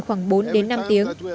khoảng bốn đến năm tiếng